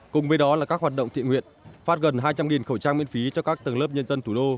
cùng với đó là các hoạt động thiện nguyện phát gần hai trăm linh khẩu trang miễn phí cho các tầng lớp nhân dân thủ đô